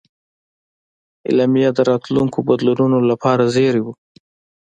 اعلامیه د راتلونکو بدلونونو لپاره زېری و.